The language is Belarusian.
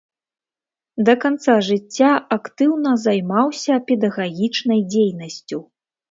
Да канца жыцця актыўна займаўся педагагічнай дзейнасцю.